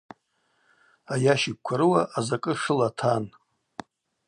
Айащикква рыуа азакӏы шыла тан.